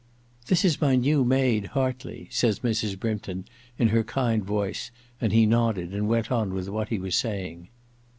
• This is my new maid. Hartley,' says Mrs. Brympton in her kind voice ; and he nodded and went on with what he was saying.